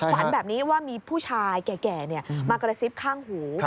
ฝันแบบนี้ว่ามีผู้ชายแก่มากระซิบข้างหู